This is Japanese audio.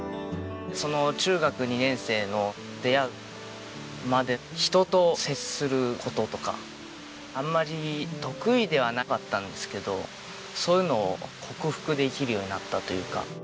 中学２年生の出会うまで人と接する事とかあんまり得意ではなかったんですけどそういうのを克服できるようになったというか。